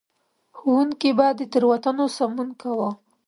ښوونکي به د تېروتنو سمون کاوه.